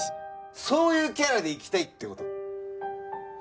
そういうキャラでいきたいって事？